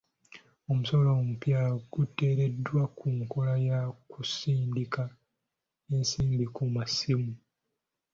Omusolo omupya guteereddwa ku nkola y'okusindika ensimbi ku masimu.